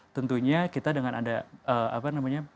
tentunya kita dengan ada